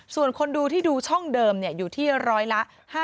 ส่วนคนดูที่ดูช่องเดิมอยู่ที่ร้อยละ๕๐